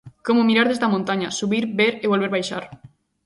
Como mirar desde a montaña: subir, ver e volver baixar.